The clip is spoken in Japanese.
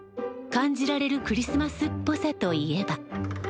感じられるクリスマスっぽさといえば。